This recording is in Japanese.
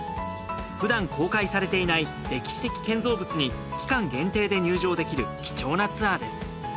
ふだん公開されていない歴史的建造物に期間限定で入場できる貴重なツアーです。